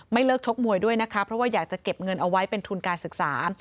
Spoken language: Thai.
เลิกชกมวยด้วยนะคะเพราะว่าอยากจะเก็บเงินเอาไว้เป็นทุนการศึกษา